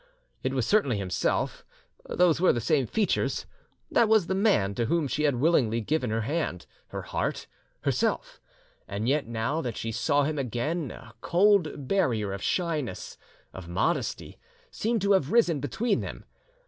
It was certainly himself, those were the same features, that was the man to whom she had willingly given her hand, her heart, herself, and yet now that she saw him again a cold barrier of shyness, of modesty, seemed to have risen between them.